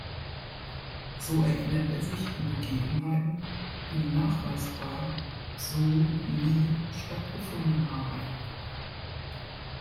So erinnert er sich an Begebenheiten, die nachweisbar so nie stattgefunden haben.